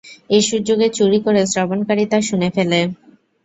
এ সুযোগে চুরি করে শ্রবণকারী তা শুনে ফেলে।